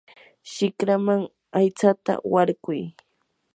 shikraman aytsata warkuy.